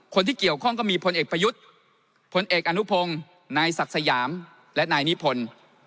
คนที่เกี่ยวข้องก็มีพลเอกประยุทธ์พลเอกอนุพงศ์นายศักดิ์สยามและนายนิพนธ์